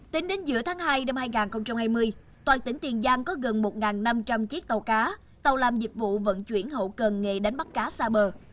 tính đến giữa tháng hai năm hai nghìn hai mươi toàn tỉnh tiền giang có gần một năm trăm linh chiếc tàu cá tàu làm dịch vụ vận chuyển hậu cần nghề đánh bắt cá xa bờ